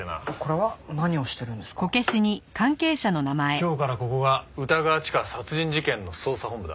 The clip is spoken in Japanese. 今日からここが歌川チカ殺人事件の捜査本部だ。